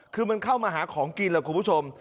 คือมันเข้ามาหาของกินล่ะคุณผู้ชม